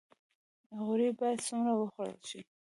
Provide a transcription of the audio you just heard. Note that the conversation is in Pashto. غوړي باید څومره وخوړل شي؟